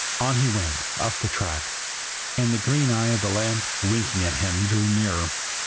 On he went, up the track; and the green eye of the lamp, winking at him, drew nearer.